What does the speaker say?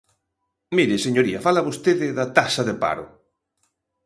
Mire, señoría, fala vostede da taxa de paro.